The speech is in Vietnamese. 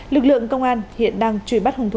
lực lượng công an hiện đang truy bắt hung thủ